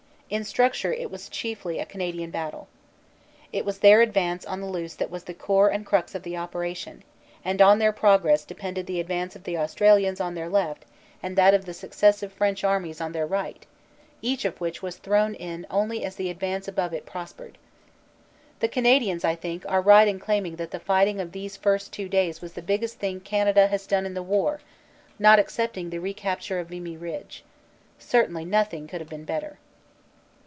In structure it was chiefly a Canadian battle. It was their ad vance on the Luce that was the core and crux of the operation, and on their progress depended the advance of the Australians on their left and that of the successive French armies on their right, each of which was thrown in only as the advance above it prospered. The Canadians, I think, are right in claiming that the fighting of these first two days was the biggest thing Canada has done in the war, not excepting the recapture of Vimy Ridge. Certainly nothing could have been better."